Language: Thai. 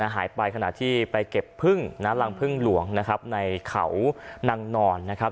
ขณะที่ไปเก็บพึ่งรังพึ่งหลวงนะครับในเขานางนอนนะครับ